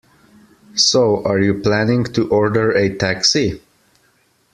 So, are you planning to order a taxi?